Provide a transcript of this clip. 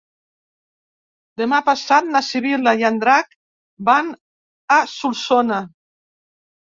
Demà passat na Sibil·la i en Drac van a Solsona.